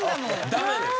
ダメです。